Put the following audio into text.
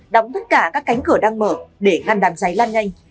đóng tất cả các cánh cửa đang mở để ngăn đám cháy lan nhanh